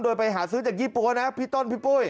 โดยไปหาซื้อจากยี่ปั๊วนะพี่ต้นพี่ปุ้ย